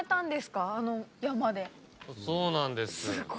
そうなんです。